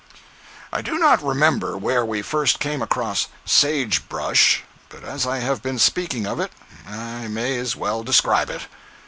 I do not remember where we first came across "sage brush," but as I have been speaking of it I may as well describe it.